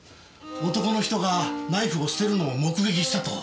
男の人がナイフを捨てるのを目撃したと。